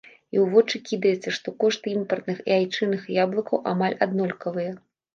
І ў вочы кідаецца, што кошты імпартных і айчынных яблыкаў амаль аднолькавыя!